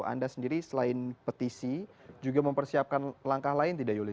anda sendiri selain petisi juga mempersiapkan langkah lain tidak yuli